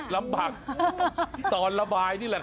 ลำบากตอนระบายนี่แหละ